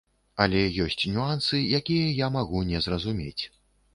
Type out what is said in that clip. Але ёсць нюансы, якія я магу не зразумець.